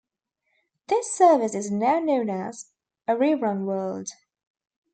This service is now known as Arirang World.